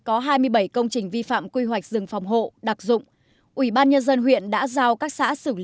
có hai mươi bảy công trình vi phạm quy hoạch rừng phòng hộ đặc dụng ủy ban nhân dân huyện đã giao các xã xử